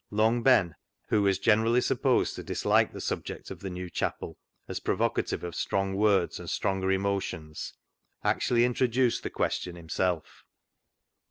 Long Ben, who was generally supposed to dislike the subject of the new chapel as provocative of strong words and stronger emotions, actually introduced the question himself.